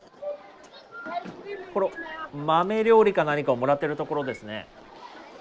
豆料理か何かをもらってるところですね。